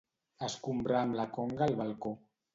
Escombrar amb la conga el balcó.